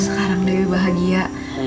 sekarang dewi bahagia